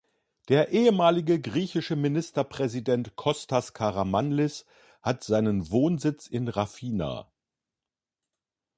Der ehemalige griechische Ministerpräsident Kostas Karamanlis hat seinen Wohnsitz in Rafina.